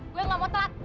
gue gak mau telat